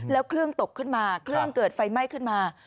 แล้วเครื่องตกขึ้นมาเครื่องเกิดไฟไหม้ขึ้นมา